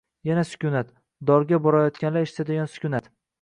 Yana sukunat. Dorga borayotganlar eshitadigan sukunat.